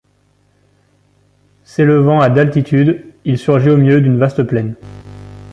S'élevant à d'altitude, il surgit au milieu d'une vaste plaine.